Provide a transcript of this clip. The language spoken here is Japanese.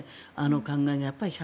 考えが。